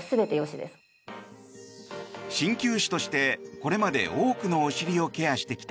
鍼灸師としてこれまで多くのお尻をケアしてきた